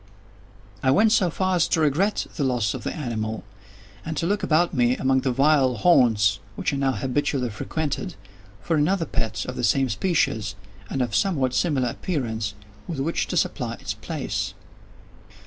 I went so far as to regret the loss of the animal, and to look about me, among the vile haunts which I now habitually frequented, for another pet of the same species, and of somewhat similar appearance, with which to supply its place.